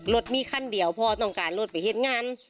รถมีคันเดียวพ่อต้องการรถไปเห็นงาน